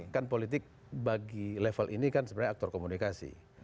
kan politik bagi level ini kan sebenarnya aktor komunikasi